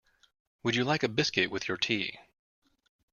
Would you like a biscuit with your tea?